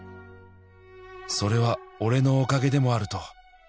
「それは俺のおかげでもあると」